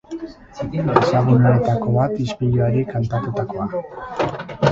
Ezagunenetako bat, ispiluari kantatutakoa.